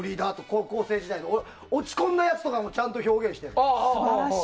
高校生時代に落ち込んだやつとかもちゃんと表現してるの。